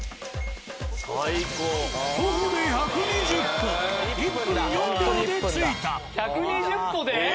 徒歩で１２０歩１分０４秒で着いた。